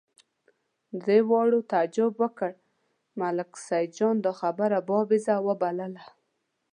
درې واړو تعجب وکړ، ملک سیدجان دا خبره بابېزه وبلله.